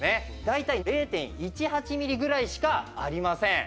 大体０．１８ミリぐらいしかありません。